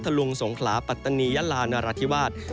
จังหวัดที่ต้องระวังอย่างที่ได้เน้นย้ำนะครับ